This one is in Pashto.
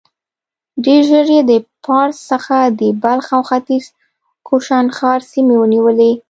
ډېر ژر يې د پارس څخه د بلخ او ختيځ کوشانښار سيمې ونيولې.